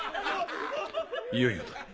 いよいよだ。